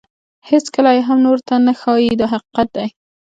هیڅکله یې هم نورو ته نه ښایي دا حقیقت دی.